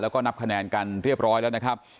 แล้วก็นับคะแนนกันเรียบร้อยแล้วนะครับ